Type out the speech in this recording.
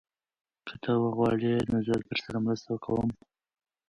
که ته وغواړې نو زه درسره مرسته کوم.